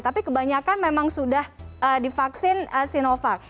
tapi kebanyakan memang sudah divaksin sinovac